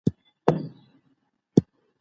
ببرک میاخیل وویل چي څېړنه ستونزو ته د حل لاره ده.